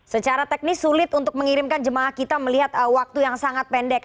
secara teknis sulit untuk mengirimkan jemaah kita melihat waktu yang sangat pendek